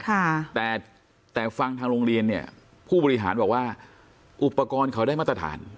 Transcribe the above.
ค่ะแต่แต่ฟังทางโรงเรียนเนี่ยผู้บริหารบอกว่าอุปกรณ์เขาได้มาตรฐาน